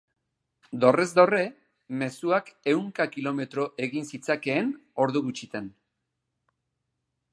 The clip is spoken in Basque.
Dorrez dorre, mezuak ehunka kilometro egin zitzakeen ordu gutxitan.